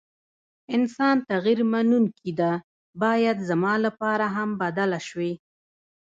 انسان تغير منونکي ده ، بايد زما لپاره هم بدله شوې ،